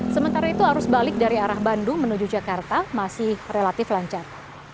sementara itu arus balik dari arah bandung menuju jakarta masih relatif lancar